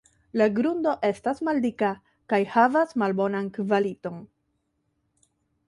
La grundo estas maldika kaj havas malbonan kvaliton.